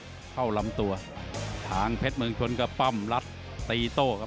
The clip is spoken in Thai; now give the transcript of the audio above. อันนี้ก็เหลือยกเดียวเหลือมากเลยนะครับมั่นใจว่าจะได้แชมป์ไปพลาดโดนในยกที่สามครับเจอหุ้กขวาตามสัญชาตยานหล่นเลยครับ